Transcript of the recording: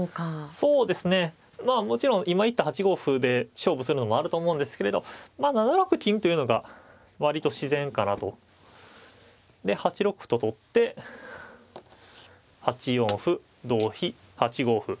そうですねまあもちろん今言った８五歩で勝負するのもあると思うんですけれどまあ７六金というのが割と自然かなと。で８六歩と取って８四歩同飛８五歩。